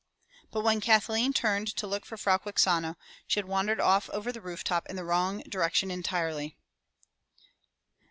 But when Kathleen turned to look for Frau Quixano, she had wandered off over the rooftop in the wrong direction entirely.